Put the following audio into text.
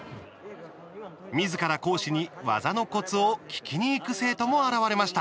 みずから講師に技のコツを聞きにいく生徒も現れました。